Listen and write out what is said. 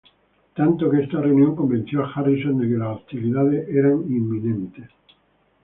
Tanto que esta reunión convenció a Harrison de que las hostilidades eran inminentes.